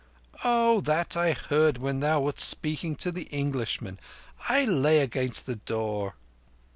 "Oh, that I heard when thou wast speaking to the Englishman. I lay against the door."